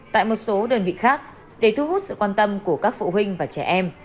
tại một số đơn vị khác để thu hút sự quan tâm của các phụ huynh và trẻ em